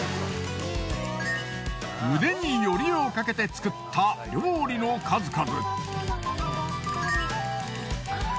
腕によりをかけて作った料理の数々。